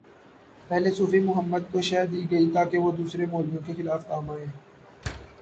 پہلے صوفی محمد کو شہ دی گئی تاکہ وہ دوسرے مولویوں کے خلاف کام آئیں۔